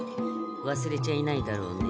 忘れちゃいないだろうね？